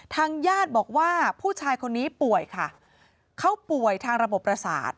ทางญาติบอกว่าผู้ชายคนนี้ป่วยค่ะเขาป่วยทางระบบประสาท